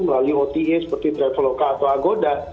melalui ota seperti traveloka atau agoda